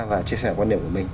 và chia sẻ quan điểm của mình